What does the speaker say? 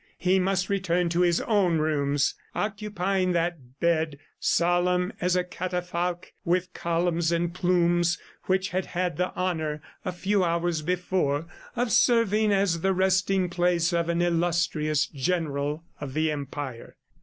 He must return to his own room, occupying that bed, solemn as a catafalque with columns and plumes, which had had the honor, a few hours before, of serving as the resting place of an illustrious General of the Empire.